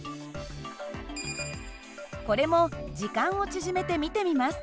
これも時間を縮めて見てみます。